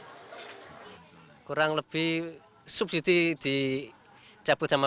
sejak harga minyak goreng curah sejak harga minyak goreng curah